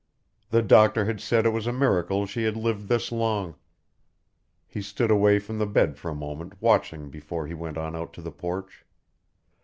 The doctor had said it was a miracle she had lived this long. He stood away from the bed for a moment watching before he went on out to the porch.